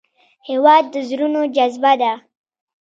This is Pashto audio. هېواد د زړونو جذبه ده.